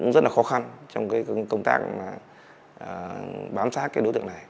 rất là khó khăn trong công tác bám sát đối tượng này